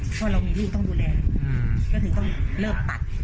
เพราะเรามีลูกต้องดูแลก็คือต้องเลิกตัด